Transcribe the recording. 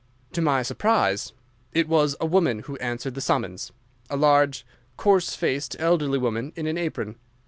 "To my surprise, it was a woman who answered the summons, a large, coarse faced, elderly woman, in an apron.